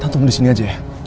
tante mau disini aja ya